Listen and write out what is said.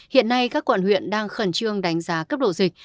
hiện nay các quận huyện đang khẩn trương đánh giá cấp độ dịch